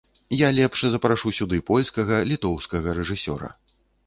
Я лепш запрашу сюды польскага, літоўскага рэжысёра.